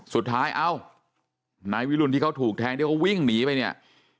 เอ้านายวิรุณที่เขาถูกแทงที่เขาวิ่งหนีไปเนี่ย